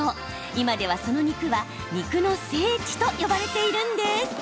今では、その店は肉の聖地と呼ばれているんです。